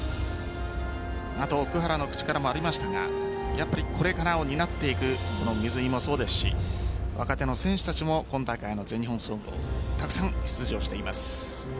奥原の口からもありましたがこれからを担っていく水井もそうですし若手の選手たちも今大会の全日本総合たくさん出場しています。